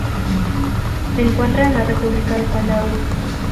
Se encuentra en la República de Palau.